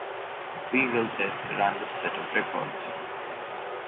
We will test a random set of records.